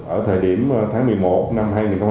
ở thời điểm tháng một mươi một năm hai nghìn hai mươi ba